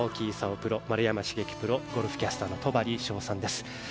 プロ、丸山茂樹プロゴルフキャスターの戸張捷さんです。